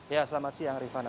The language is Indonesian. ya selamat siang rifana